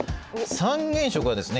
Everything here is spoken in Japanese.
三原色はですね